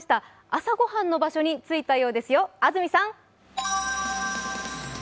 朝御飯の場所に着いたようですよ、安住さん？